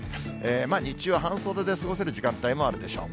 日中は半袖で過ごせる時間帯もあるでしょう。